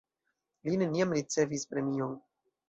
Li neniam ricevis premion.